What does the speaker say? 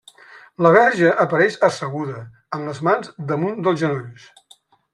La Verge apareix asseguda, amb les mans damunt dels genolls.